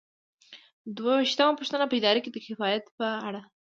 دوه ویشتمه پوښتنه په اداره کې د کفایت په اړه ده.